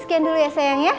sekian dulu ya sayang ya